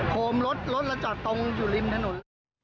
โคมรถรถเราจอดตรงอยู่ริมถนน